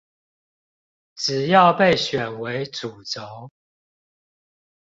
只要被選為主軸